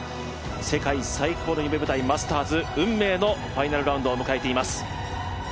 世界最高の夢舞台マスターズ、運命のファイナルラウンドを迎えています。